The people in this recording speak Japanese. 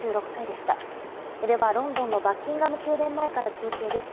ではロンドンのバッキンガム宮殿前から中継です。